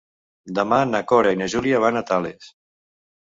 Demà na Cora i na Júlia van a Tales.